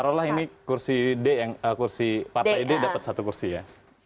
taruh lah ini kursi d yang kursi partai d dapat satu kursi ya